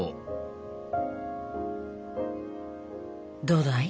どうだい？